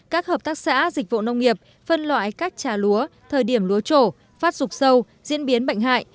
các hợp tác xã dịch vụ nông nghiệp phân loại các trà lúa thời điểm lúa trổ phát rục sâu diễn biến bệnh hại